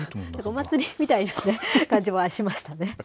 お祭りみたいな感じはしましたね。